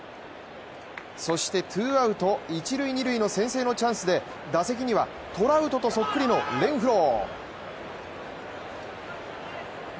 そしてツーアウト一・二塁の先制のチャンスで打席にはトラウトとそっくりのレンフロー。